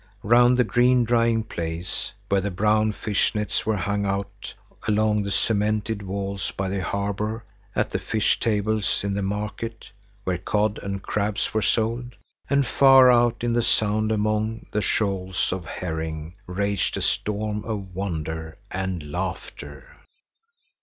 Round the green drying place, where the brown fish nets were hung out, along the cemented walls by the harbor, at the fish tables in the market, where cod and crabs were sold, and far out in the sound among the shoals of herring, raged a storm of wonder and laughter.